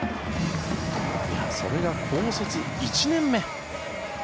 それが高卒１年目。